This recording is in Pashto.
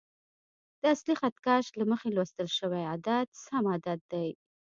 د اصلي خط کش له مخې لوستل شوی عدد سم عدد دی.